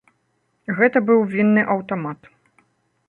Гэта быў вінны аўтамат.